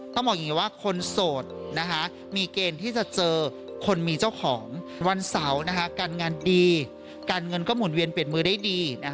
ต้องบอกอย่างนี้ว่าคนโสดมีเกณฑ์ที่จะเจอคนมีเจ้าของวันเสาร์การงานดีการเงินก็หุ่นเวียนเปลี่ยนมือได้ดี